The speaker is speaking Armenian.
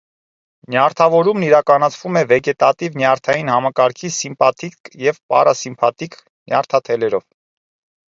Նյարդավորումն իրականացվում է վեգետատիվ նյարդային համակարգի սիմպաթիկ և պարասիմպաթիկ նյարդաթելերով։